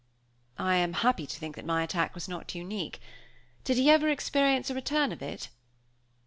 "I am happy to think that my attack was not unique. Did he ever experience a return of it?"